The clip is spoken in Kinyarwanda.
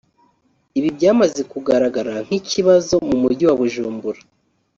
Ibi byamaze kugaragara nk’ikibazo mu Mujyi wa Bujumbura